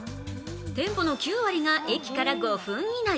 店舗の９割が駅から５分以内。